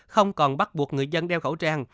không còn bắt buộc người dân đeo khẩu trang